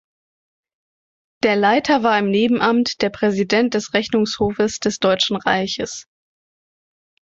Der Leiter war im Nebenamt der Präsident des Rechnungshofs des Deutschen Reiches.